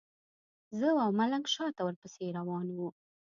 زه او ملنګ شاته ورپسې روان وو.